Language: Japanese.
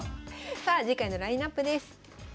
さあ次回のラインナップです。